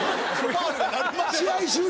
試合終了。